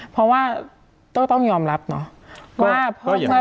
เพราะว่าโต้ต้องยอมรับเนาะ